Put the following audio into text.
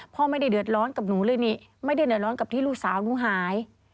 พ่อไม่ได้เดือดร้อนกับหนูเลยนี่ไม่ได้เดือดร้อนกับที่ลูกสาวหนูหาย